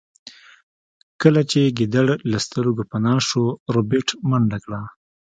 کله چې ګیدړ له سترګو پناه شو ربیټ منډه کړه